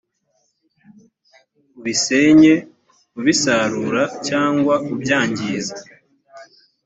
ubisenye ubisarura cyangwa ubyangiza .